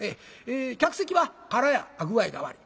「客席は空や」具合が悪い。